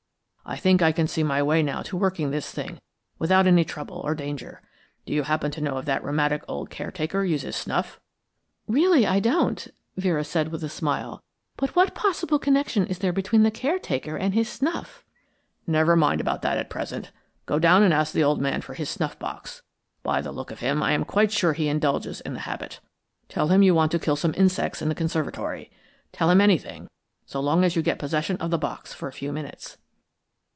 I think I can see my way now to working this thing without any trouble or danger. Do you happen to know if that rheumatic old caretaker uses snuff?" "Really, I don't," Vera said with a smile. "But what possible connection is there between the caretaker and his snuff ?" "Never mind about that at present. Go down and ask the old man for his snuff box. By the look of him, I am quite sure he indulges in the habit. Tell him you want to kill some insects in the conservatory. Tell him anything, so long as you get possession of the box for a few minutes."